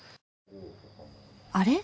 あれ？